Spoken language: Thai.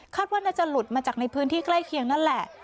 ว่าน่าจะหลุดมาจากในพื้นที่ใกล้เคียงนั่นแหละ